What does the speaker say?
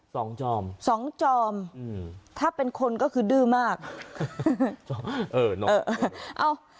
สองจอมสองจอมอืมถ้าเป็นคนก็คือดื้อมากเออเออเออเออ